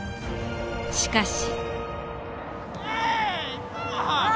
しかし。